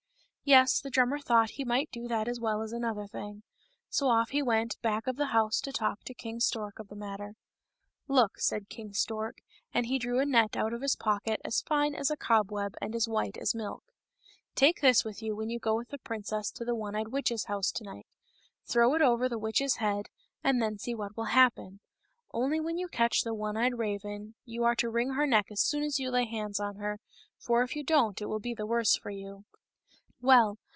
Yes ; the drummer thought he might do that as well as another thing. So off he went back of the house to talk to King Stork of the matter. " Look," said King Stork, and he drew a net out of his pocket as fine as a cobweb and as white as milk ;" take this with you when you go with the princess to the one eyed witch's house to night, throw it over the witch's head, and then see what will happen ; only when you catch the one eyed raven you are to wring her neck as soon as you lay hands on her, for if you don't it will be the worse for you."